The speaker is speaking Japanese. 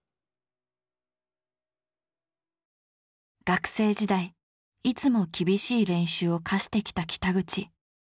学生時代いつも厳しい練習を課してきた北口。